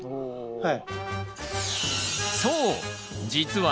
はい。